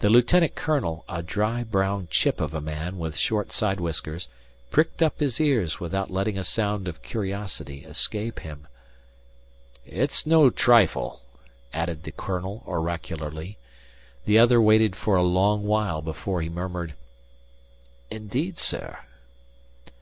The lieutenant colonel, a dry brown chip of a man with short side whiskers, pricked up his ears without letting a sound of curiosity escape him. "It's no trifle," added the colonel oracularly. The other waited for a long while before he murmured: "Indeed, sir!"